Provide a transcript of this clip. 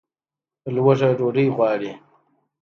لوږه ډوډۍ غواړي